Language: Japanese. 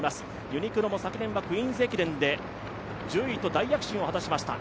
ユニクロも昨年はクイーンズ駅伝で１０位と大躍進を果たしました。